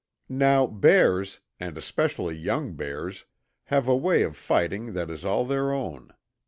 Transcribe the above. Now bears, and especially young bears, have a way of fighting that is all their own.